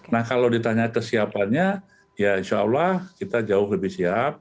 nah kalau ditanya kesiapannya ya insya allah kita jauh lebih siap